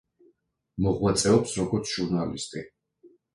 მოღვაწეობს როგორც ჟურნალისტი.